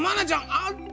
あっ。